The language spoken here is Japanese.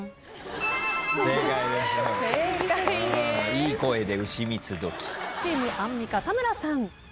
いい声で「うしみつどき」チームアンミカ田村さん。